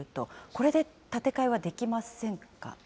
これで建て替えはできませんか。